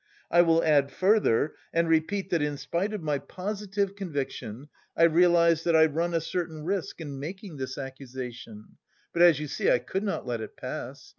I will add further and repeat that in spite of my positive conviction, I realise that I run a certain risk in making this accusation, but as you see, I could not let it pass.